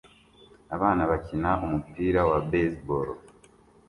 Abana bakina umupira wa baseball